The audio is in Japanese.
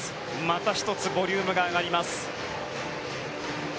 また一つボリュームが上がります。